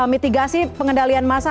mitigasi pengendalian massa